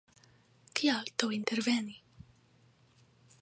Kial do interveni?